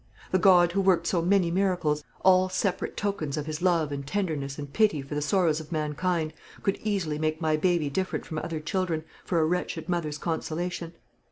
The God who worked so many miracles, all separate tokens of His love and tenderness and pity for the sorrows of mankind, could easily make my baby different from other children, for a wretched mother's consolation.